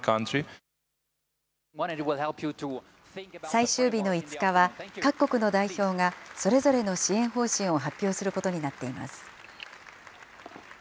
最終日の５日は、各国の代表がそれぞれの支援方針を発表することになっています。